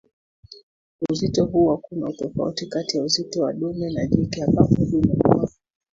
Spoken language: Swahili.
Uzito huwa kuna utofauti kati ya uzito wa dume na jike ambapo dume huwa